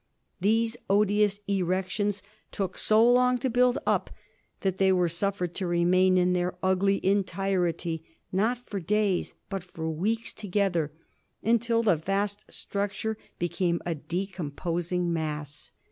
These odious erections took so long to build up that they were suffered to remain in their ugly entirety not for days but for weeks together, until the vast structure became a decomposing mass.